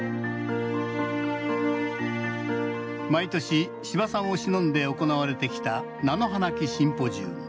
毎年司馬さんをしのんで行われてきた菜の花忌シンポジウム